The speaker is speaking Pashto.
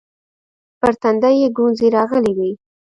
پر تندي يې گونځې راغلې وې.